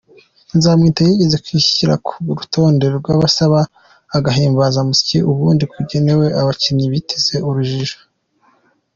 Nzamwita yigeze kwishyira ku rutonde rw’abasaba agahimbazamushyi ubundi kagenewe abakinnyi biteze urujijo.